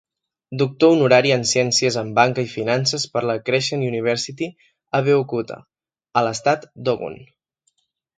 Doctor honorari en ciències en banca i finances per la Crescent University, Abeokuta, a l'estat d'Ogun.